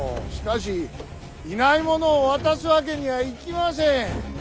しかしいない者を渡すわけにはいきません。